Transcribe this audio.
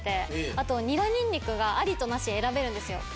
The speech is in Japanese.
あとニラ＆ニンニクがありとなし選べるんですよ。